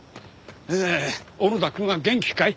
ああ小野田くんは元気かい？